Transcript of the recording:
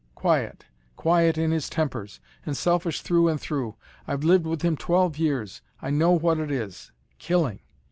Quiet quiet in his tempers, and selfish through and through. I've lived with him twelve years I know what it is. Killing!